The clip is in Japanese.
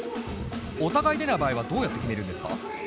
お互い出ない場合はどうやって決めるんですか？